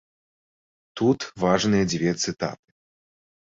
Тут важныя дзве цытаты.